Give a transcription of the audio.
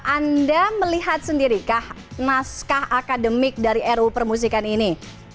anda melihat sendiri kah naskah akademik dari ruu permusikan ini